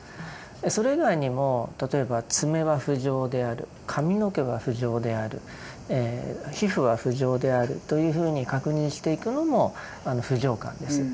それ以外にも例えば爪は不浄である髪の毛は不浄である皮膚は不浄であるというふうに確認していくのも不浄観です。